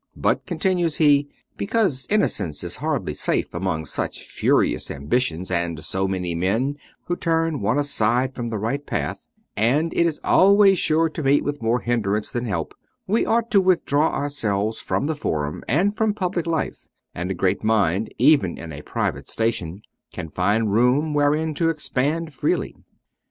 But," continues he, " because innocence is hardly safe among such furious ambitions and so many men who turn one aside from the right path, and it is always sure to meet with more hindrance than help, we ought to withdraw ourselves from the forum and from public life, and a great mind even in a private station can find room wherein to expand freely.